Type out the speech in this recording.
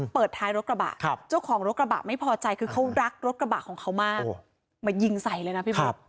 ท้ายรถกระบะเจ้าของรถกระบะไม่พอใจคือเขารักรถกระบะของเขามากมายิงใส่เลยนะพี่บุ๊ค